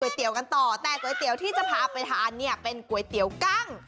เตี๋ยวกันต่อแต่ก๋วยเตี๋ยวที่จะพาไปทานเนี่ยเป็นก๋วยเตี๋ยวกั้ง